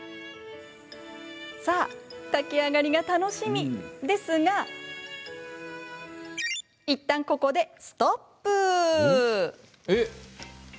さあ、炊き上がりが楽しみですがいったん、ここでストップ。